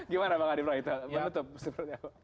gimana bang adi bro itu menutup sepertinya apa